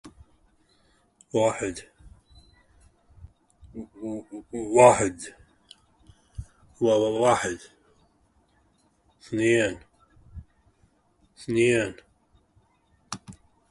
Battles are resolved via fists, guns and grenades.